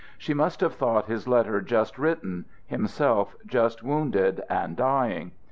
She must have thought his letter just written, himself just wounded and dying.